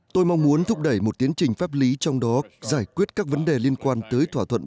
tôi mong muốn thúc đẩy một tiến trình pháp lý trong đó giải quyết các vấn đề liên quan tới thỏa thuận